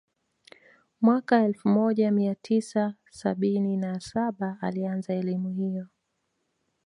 Mwaka elfu moja mia tisa sabini na saba alianza elimu hiyo